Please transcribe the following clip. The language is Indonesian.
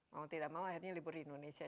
mau tidak mau akhirnya libur di indonesia